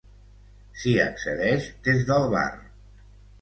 S'hi accedeix des del bar.